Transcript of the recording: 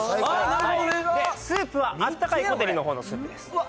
・最高スープは温かいコテリの方のスープです・うわ